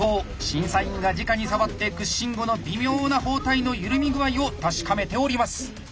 審査員がじかに触って屈伸後の微妙な包帯の緩み具合を確かめております。